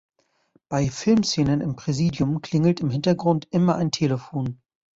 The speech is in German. Bei Filmszenen im Präsidium klingelt im Hintergrund immer ein Telefon.